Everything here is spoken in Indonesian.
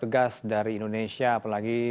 tegas dari indonesia apalagi